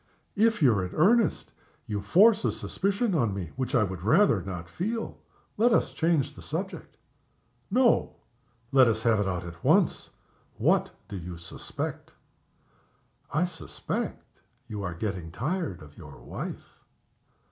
If you're in earnest you force a suspicion on me which I would rather not feel. Let us change the subject." "No! Let us have it out at once. What do you suspect?" "I suspect you are getting tired of your wife."